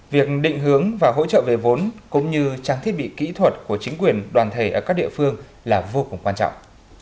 việc định hướng và hỗ trợ về vốn cũng như trang thiết bị kỹ thuật của chính quyền đoàn thể ở các địa phương là vô cùng quan trọng